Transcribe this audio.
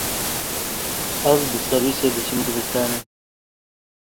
Ez bi serwîsê diçim dibistanê.